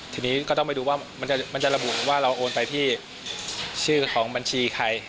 ทีนี้ก็ต้องไปดูว่ามันจะระบุว่าเราโอนไปที่ชื่อของบัญชีใคร